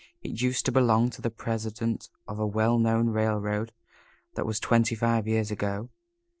It used to belong to the president of a well known railroad. That was twenty five years ago.